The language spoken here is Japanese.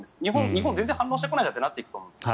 日本、全然反論してこないとなっていくと思います。